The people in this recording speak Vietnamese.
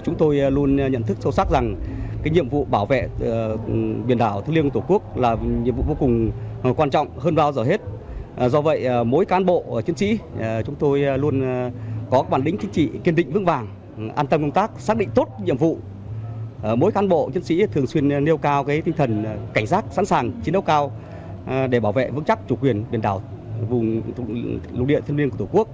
ngày đêm chắc tay súng sẵn sàng chiến đấu bảo vệ chủ quyền biển đảo của cộng quốc